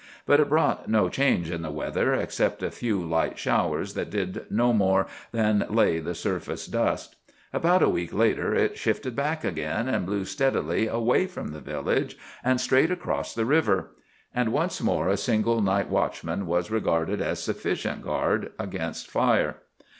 But it brought no change in the weather, except a few light showers that did no more than lay the surface dust. About a week later it shifted back again, and blew steadily away from the village and straight across the river. And once more a single night watchman was regarded as sufficient safeguard against fire.